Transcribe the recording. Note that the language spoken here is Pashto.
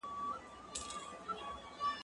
زه به د زده کړو تمرين کړی وي!؟